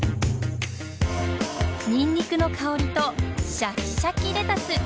ニンニクの香りとシャキシャキレタス。